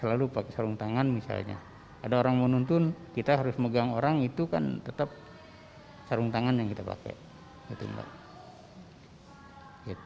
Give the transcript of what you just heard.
ada orang menuntun kita harus megang orang itu kan tetap sarung tangan yang kita pakai